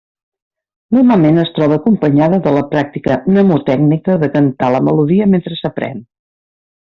Normalment es troba acompanyada de la pràctica mnemotècnica de cantar la melodia mentre s'aprèn.